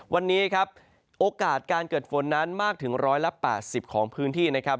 วันนี้ครับโอกาสการเกิดฝนนั้นมากถึง๑๘๐ของพื้นที่นะครับ